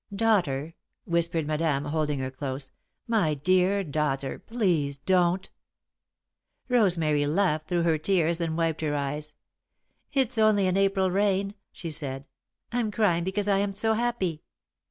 "Daughter," whispered Madame, holding her close. "My dear daughter! Please don't!" Rosemary laughed through her tears, then wiped her eyes. "It's only an April rain," she said. "I'm crying because I'm so happy."